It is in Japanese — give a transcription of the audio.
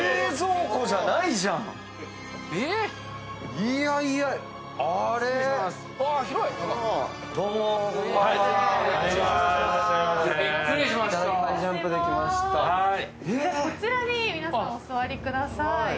こちらに皆さんお座りください。